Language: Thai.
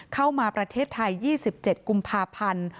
เข้ามาประเทศไทย๒๗กุมภาพันธ์